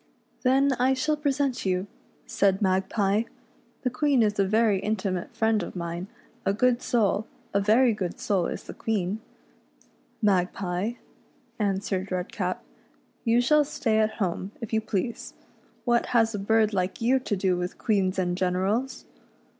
" Then I shall present you," said Magpie ;" the Queen REDCAP'S ADVENTURES IX FAIRYLAXD. 89 is a ver\ intimate friend of mine, a good soul, a very good soul is the Queen." " Magpie," answered Redcap, " you shall stay at home, if you please. What has a bird like you to do with queens and generals